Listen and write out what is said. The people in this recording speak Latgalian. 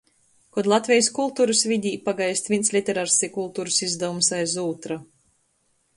Kod Latvejis kulturys vidē pagaist vīns literars i kulturys izdavums aiz ūtra.